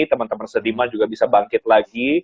teman teman sediman juga bisa bangkit lagi